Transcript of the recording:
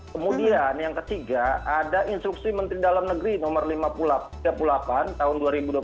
kemudian yang ketiga ada instruksi menteri dalam negeri nomor tiga puluh delapan tahun dua ribu dua puluh satu